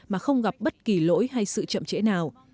mà không gặp bất kỳ lỗi hay sự chậm trễ nào